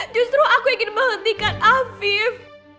justru aku ingin menghentikan afif